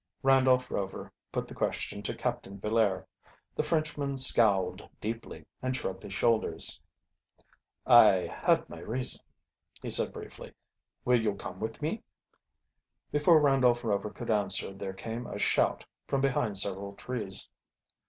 Randolph Rover put the question to Captain Villaire. The Frenchman scowled deeply and shrugged his shoulders. "I had my reason," he said briefly. "Will you come with me?" Before Randolph Rover could answer there came a shout from behind several trees.